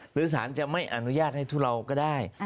หรือสารจะไม่อนุญาตให้ทุเลาก็ได้